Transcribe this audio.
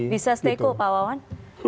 bisa seteko pak wawan